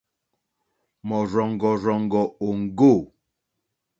Mɔ̀rzɔ̀ŋɡɔ̀rzɔ̀ŋɡɔ̀ òŋɡô.